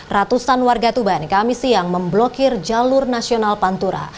ratusan warga tuban kami siang memblokir jalur nasional pantura